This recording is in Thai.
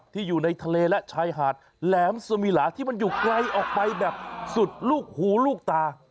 อยู่ในทะเลและชายหาดแหลมสมิลาที่มันอยู่ไกลออกไปแบบสุดลูกหูลูกตา